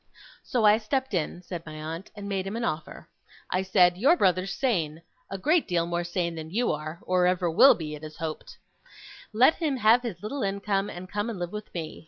'So I stepped in,' said my aunt, 'and made him an offer. I said, "Your brother's sane a great deal more sane than you are, or ever will be, it is to be hoped. Let him have his little income, and come and live with me.